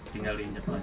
tinggal diinjek lonjong